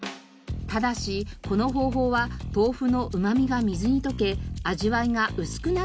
ただしこの方法は豆腐のうまみが水に溶け味わいが薄くなってしまいます。